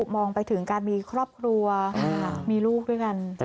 มองไปถึงการมีครอบครัวมีลูกด้วยกัน